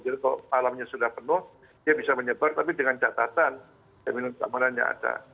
jadi kalau malamnya sudah penuh ya bisa menyebar tapi dengan catatan jaminan keamanannya ada